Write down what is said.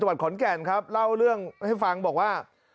วัดขอนแก่นครับเล่าเรื่องให้ฟังบอกว่า